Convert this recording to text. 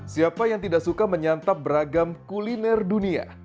siapa yang tidak suka menyantap beragam kuliner dunia